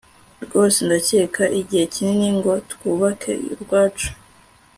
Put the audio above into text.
rwose ndakeka igihe niki ngo twubake urwacu